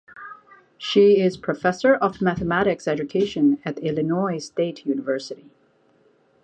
She is professor of mathematics education at Illinois State University.